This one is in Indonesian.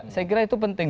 saya kira itu penting